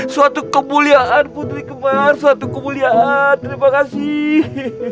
suatu kemuliaan putri kemar suatu kemuliaan terima kasih